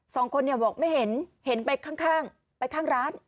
สองคนเนี่ยบอกไม่เห็นเห็นไปข้างไปข้างร้าน